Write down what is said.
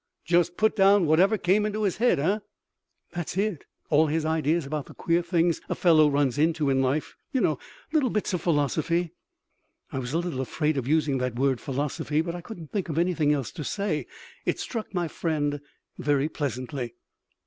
"Just put down whatever came into his head, eh?" "That's it. All his ideas about the queer things a fellow runs into in life, you know, little bits of philosophy." I was a little afraid of using that word "philosophy," but I couldn't think of anything else to say. It struck my friend very pleasantly.